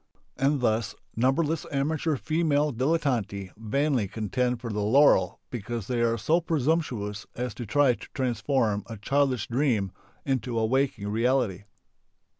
And thus numberless amateur female dilettanti vainly contend for the laurel because they are so presumptuous as to try to transform a childish dream into a waking reality.